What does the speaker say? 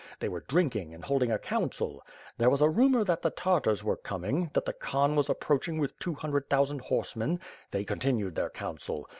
They were drinking and holding a council. There was a rumor that the Tartars were coming; that the Khan was ap proaching with two hundred thousand horsemen — they con tinued their council.